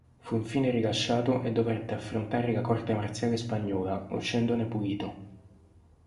Fu infine rilasciato e dovette affrontare la corte marziale spagnola, uscendone pulito.